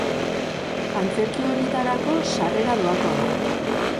Antzerki horietarako sarrera doakoa da.